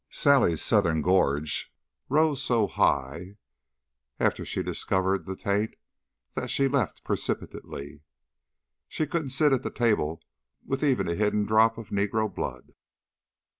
"Sally's Southern gorge rose so high, after she discovered the taint, that she left precipitately. She couldn't sit at the table with even a hidden drop of negro blood."